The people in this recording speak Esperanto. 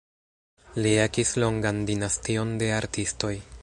Li ekis longan dinastion de artistoj.